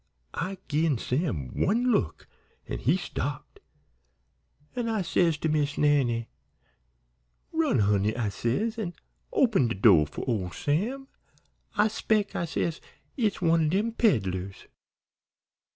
I gin Sam one look an' he stopped, an' I says to Miss Nannie, 'Run, honey,' I says, 'an' open de do' for ole Sam; I spec',' I says, 'it's one o' dem peddlers.'